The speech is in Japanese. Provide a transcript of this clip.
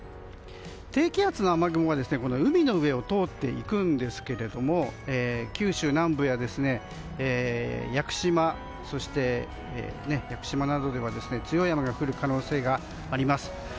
低気圧の雨雲が海の上を通っていくんですが九州南部や屋久島などでは強い雨が降る可能性があります。